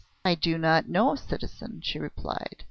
"I do not know, citizen," she replied.